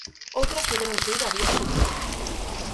Outras tiveron que ir á vía xudicial.